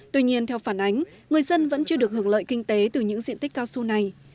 tuy nhiên theo phản ánh người dân vẫn chưa được hưởng lợi kinh tế từ những diện tích cao su này